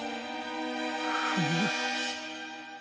フム？